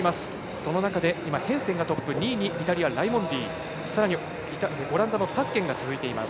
その中でヘンセン、トップ２位にライモンディさらにオランダのタッケンが続いています。